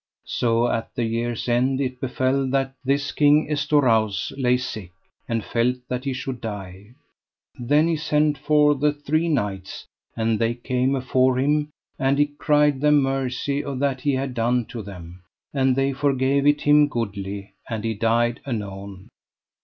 So at the year's end it befell that this King Estorause lay sick, and felt that he should die. Then he sent for the three knights, and they came afore him; and he cried them mercy of that he had done to them, and they forgave it him goodly; and he died anon.